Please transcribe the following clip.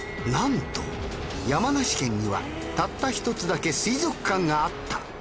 なんと山梨県にはたった一つだけ水族館があった。